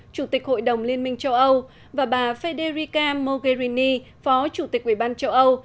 chủ tịch hội đồng liên minh châu âu và bà federica mogherini phó chủ tịch ub châu âu